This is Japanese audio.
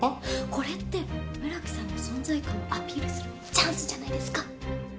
これって村木さんの存在感をアピールするチャンスじゃないですか？